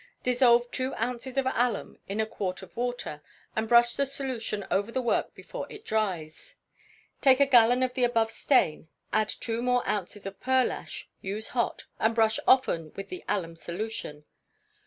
Dissolve two ounces of alum in a quart of water, and brush the solution over the work before it dries. ii. Take a gallon of the above stain, add two more ounces of pearlash; use hot, and brush often with the alum solution.